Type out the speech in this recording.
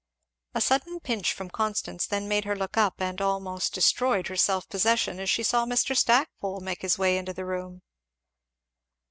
A sudden pinch from Constance then made her look up and almost destroyed her self possession as she saw Mr. Stackpole make his way into the room.